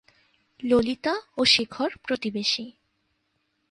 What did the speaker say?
ললিতা ও শেখর প্রতিবেশী।